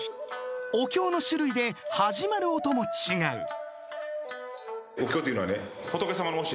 ［お経の種類で始まる音も違う］